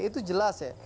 itu jelas ya